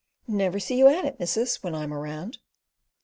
"Never see you at it, missus, when I'm round."